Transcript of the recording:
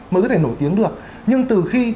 mới có thể nổi tiếng được nhưng từ khi